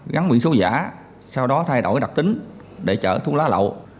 gắn biển số giả sau đó thay đổi đặc tính để chở thuốc lá lậu